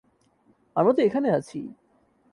আমরা তো এখানে আছি।